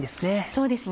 そうですね